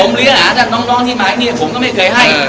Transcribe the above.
ผมเลี้ยงอาาท่านน้องที่มาแบบนี้ผมก็ไม่เคยให้